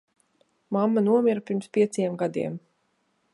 Mamma nomira pirms pieciem gadiem.